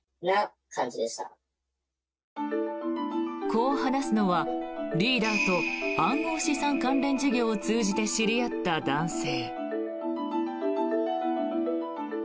こう話すのはリーダーと暗号資産関連事業を通じて知り合った男性。